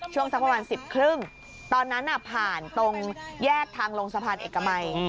ช่วงสักประมาณสิบครึ่งตอนนั้นผ่านตรงแยกทางลงสะพานเอกมัย